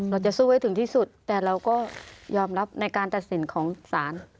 เราจะสู้ให้ถึงที่สุดแต่เราก็ยอมรับในการตัดสินของศาล